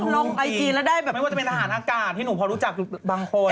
ลงไอจีแล้วได้แบบไม่ว่าจะเป็นอาหารอากาศที่หนูพอรู้จักบางคน